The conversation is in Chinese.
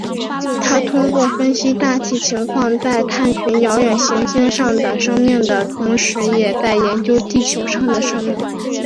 他通过分析大气情况在探寻遥远行星上的生命的同时也在研究地球上的生命。